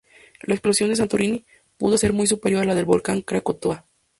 La explosión de Santorini pudo ser muy superior a la del volcán Krakatoa.